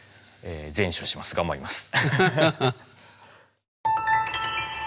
善処します頑張ります。